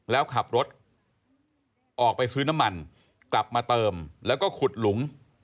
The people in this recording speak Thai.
แล้วขับรถออกไปซื้อน้ำมันกลับมาเติมแล้วก็ขุดหลุม